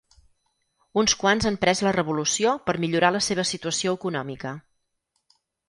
Uns quants han pres la revolució per millorar la seva situació econòmica.